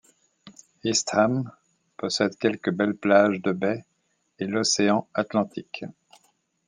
Eastham possède quelques belles plages de baie et l'Océan Atlantique.